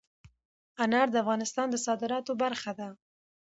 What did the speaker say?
انار د افغانستان د صادراتو برخه ده.